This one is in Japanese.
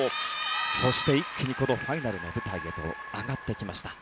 そして、一気にファイナルの舞台へと上がってきました。